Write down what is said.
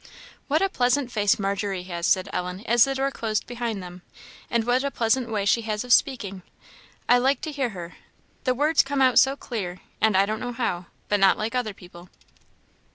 "What a pleasant face Margery has!" said Ellen, as the door closed behind them; "and what a pleasant way she has of speaking! I like to hear her; the words come out so clear, and I don't know how, but not like other people."